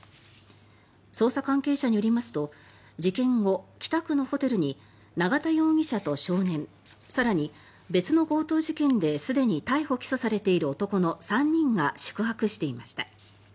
捜査関係者によりますと事件後、北区のホテルに永田容疑者と少年更に別の強盗事件ですでに逮捕・起訴されている男の３人が宿泊していました。